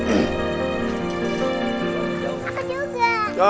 ini aku juga